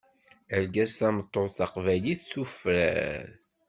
Argaz tameṭṭut, taqbaylit tufrar.